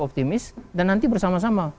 optimis dan nanti bersama sama